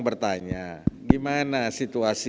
bertanya gimana situasi